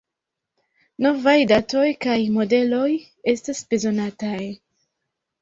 Novaj datoj kaj modeloj estas bezonataj.